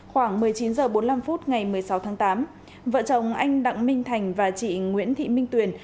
khoảng một mươi chín h bốn mươi năm phút ngày một mươi sáu tháng tám vợ chồng anh đặng minh thành và chị nguyễn thị minh tuyền